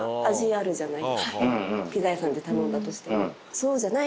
ピザ屋さんで頼んだとしても。